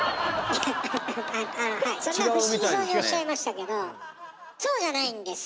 あっあのはいそんな不思議そうにおっしゃいましたけどそうじゃないんですよ。